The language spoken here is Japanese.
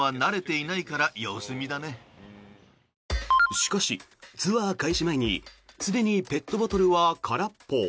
しかし、ツアー開始前にすでにペットボトルは空っぽ。